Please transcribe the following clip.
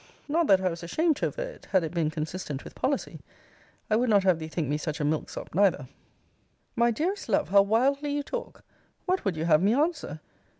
Not that I was ashamed to aver it, had it been consistent with policy. I would not have thee think me such a milk sop neither. Lovel. My dearest love, how wildly you talk! What would you have me answer?